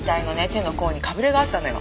手の甲にかぶれがあったのよ。